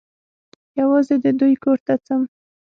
یوازي د دوی کور ته ځم .